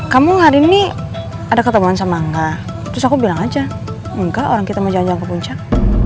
kamu hari ini ada ketemuan sama enggak terus aku bilang aja enggak orang kita mau jalan jalan ke puncak